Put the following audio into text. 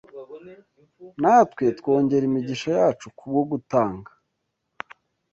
Natwe twongera imigisha yacu kubwo gutanga